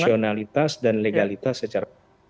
nasionalitas dan legalitas secara